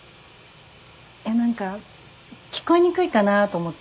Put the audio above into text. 何か聞こえにくいかなと思って。